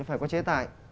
phải có chế tài